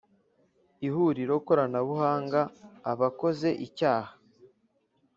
ihuriro koranabuhanga aba akoze icyaha